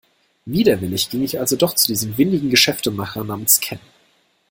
Widerwillig ging ich also doch zu diesem windigen Geschäftemacher namens Ken.